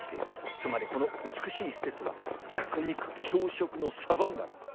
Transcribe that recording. つまりこの美しい施設は弱肉強食のサバンナだ。